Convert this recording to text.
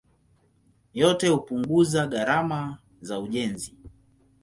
Yote hupunguza gharama za ujenzi.